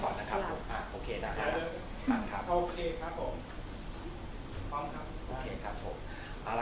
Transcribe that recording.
นัดดาลหนาตอนแรกเลยนะครับ